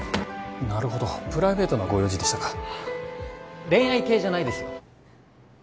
なるほどプライベートなご用事でしたか恋愛系じゃないですよ